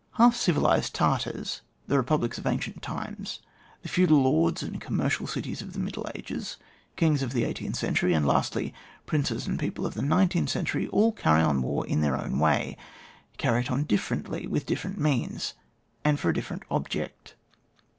Half civilised Tartars, the Eepublics of ancient times, the feudal lords and commercial cities of the Middle Ages, kines of the eighteenth century, and,' lasuy, princes and people of the nine teenth century, all carry on war in their own way, cany it on differently, with different means, and for a different object.